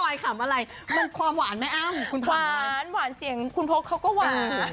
อ่อยหลายความหวานไหมหวานเสียงคุณโภคเค้าก็หวาน